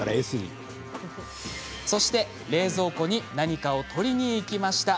そして、冷蔵庫に何かを取りに行きました。